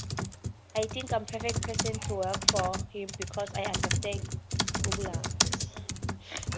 I think I'm a perfect person to work for him, because I understand gulags.